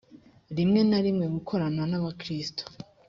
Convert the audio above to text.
rimwe na rimwe gukorana n abakristo